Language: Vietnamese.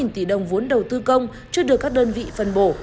nguồn vốn đầu tư công chưa được các đơn vị phân bổ